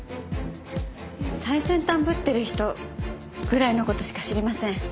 最先端ぶってる人ぐらいの事しか知りません。